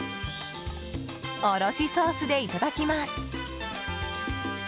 おろしソースでいただきます。